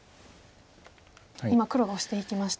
今黒がオシていきました。